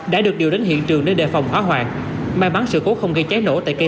đã được điều đánh hiện trường để đề phòng hóa hoạt may mắn sự cố không gây cháy nổ tại cây